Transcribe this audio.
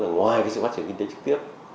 ngoài sự phát triển kinh tế trực tiếp